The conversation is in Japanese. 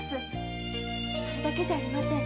それだけじゃありません。